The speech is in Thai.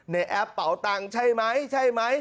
ในแอปเป่าตังใช่ไหม